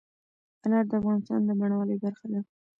انار د افغانستان د بڼوالۍ برخه ده.